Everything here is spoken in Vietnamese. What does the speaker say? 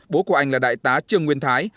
bố của anh là đại tá trương nguyên thái